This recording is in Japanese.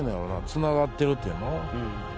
つながってるっていうの？